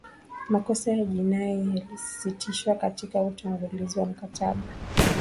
makosa ya jinai yalisisitizwa katika utangulizi wa mkataba